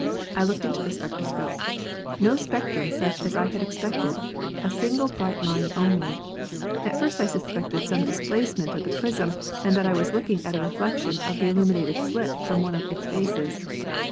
I looked into the spectroscope. No spectrum such as I had expected ! A single bright line only ! At first I suspected some displacement of the prism and that I was looking at a reflection of the illuminated slit from one of its faces.